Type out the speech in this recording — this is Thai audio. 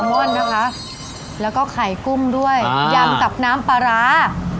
ม่อนนะคะแล้วก็ไข่กุ้งด้วยยำกับน้ำปลาร้า